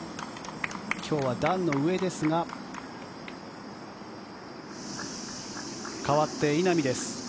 今日は段の上ですがかわって稲見です。